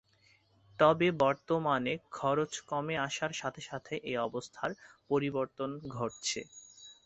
তবে বর্তমানে খরচ কমে আসার সাথে সাথে এই অবস্থার পরিবর্তন ঘটছে।